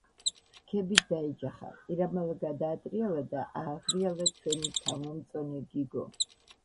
რქებით დაეჯახა, ყირამალა გადაატრიალა და ააღრიალა ჩვენი თავმომწონე გიგო.